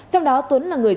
trong đó tuấn là người